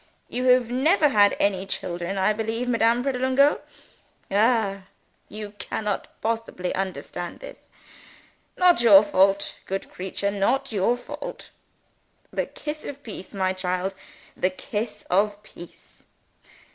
(You have never had any children, I believe, Madame Pratolungo? Ah! you cannot possibly understand this. Not your fault. Good creature. Not your fault.) The kiss of peace, my child; the kiss of peace."